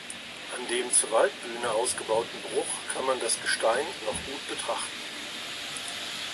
An dem zur Waldbühne ausgebauten Bruch kann man das Gestein noch gut betrachten.